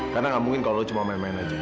karena gak mungkin kalau lo cuma main main aja